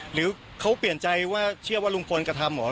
หรือเขาเปลี่ยนใจว่าเชื่อว่าลุงพลกระทำเหรอ